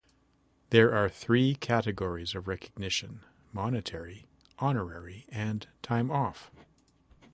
There are three categories of recognition: monetary, honorary, and time-off.